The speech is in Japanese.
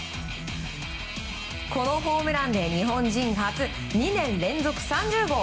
このホームランで日本人初２年連続３０号。